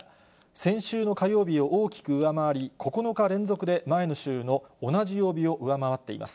先週の火曜日を大きく上回り、９日連続で前の週の同じ曜日を上回っています。